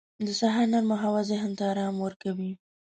• د سهار نرمه هوا ذهن ته آرام ورکوي.